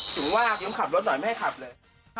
อย่าขับรถหน่อยไม่ให้ขับเลย